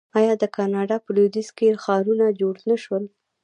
آیا د کاناډا په لویدیځ کې ښارونه جوړ نشول؟